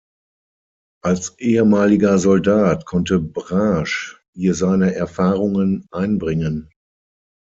Als ehemaliger Soldat konnte Braasch hier seine Erfahrungen einbringen.